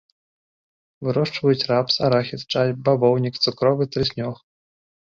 Вырошчваюць рапс, арахіс, чай, бавоўнік, цукровы трыснёг.